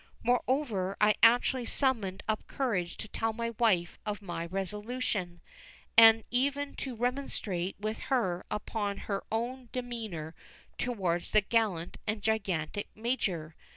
Moreover, I actually summoned up courage to tell my wife of my resolution, and even to remonstrate with her upon her own demeanour towards the gallant and gigantic Major.